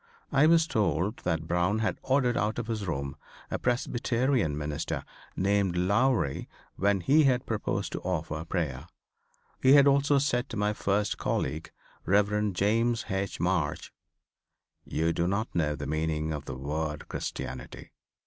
I was told that Brown had ordered out of his room a Presbyterian minister named Lowrey when he had proposed to offer prayer. He had also said to my first colleague, Rev. James H. March, "You do not know the meaning of the word Christianity.